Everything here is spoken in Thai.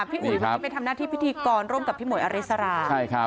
พี่อุ๋ยวันนี้ไปทำหน้าที่พิธีกรร่วมกับพี่หวยอริสรา